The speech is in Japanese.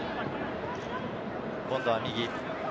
今度は右。